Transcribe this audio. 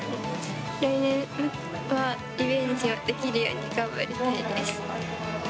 来年は、リベンジができるように頑張りたいです。